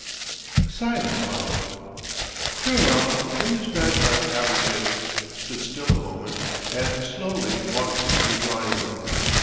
A silence followed. Kirilov turned his back on Abogin, stood still a moment, and slowly walked into the drawing room.